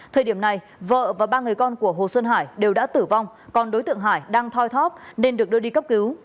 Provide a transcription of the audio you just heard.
thời điểm này vợ và ba người con của hồ xuân hải đều đã tử vong còn đối tượng hải đang thoi thóp nên được đưa đi cấp cứu